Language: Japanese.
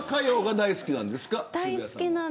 大好きなんです。